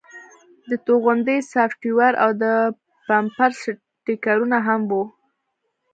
د توغندي سافټویر او د بمپر سټیکرونه هم وو